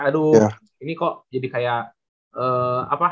aduh ini kok jadi kayak apa